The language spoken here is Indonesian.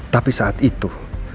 tapi saat itu